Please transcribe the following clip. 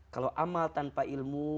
kalau amal tanpa ilmu